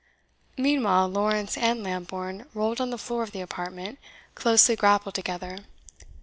Meanwhile, Lawrence and Lambourne rolled on the floor of the apartment, closely grappled together.